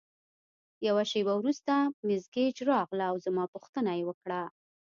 یوه شیبه وروسته مس ګیج راغله او زما پوښتنه یې وکړه.